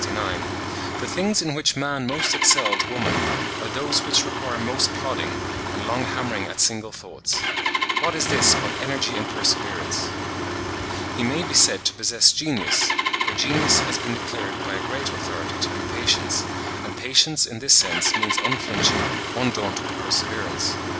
122), "The things in which man most excels woman are those which require most plodding, and long hammering at single thoughts." What is this but energy and perseverance?) He may be said to possess genius—for genius has been declared by a great authority to be patience; and patience, in this sense, means unflinching, undaunted perseverance.